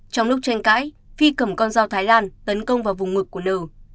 trong lúc tranh cãi phi cầm con dao thái lan tấn công vào vùng ngược của nờ